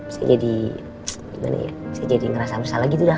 saya jadi gimana ya saya jadi ngerasa bersalah gitu lah